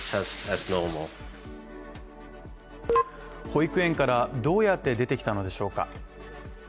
保育園からどうやって出てきたのでしょうか。